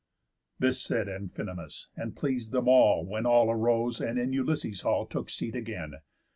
This said Amphinomus, and pleas'd them all When all arose, and in Ulysses' hall Took seat again.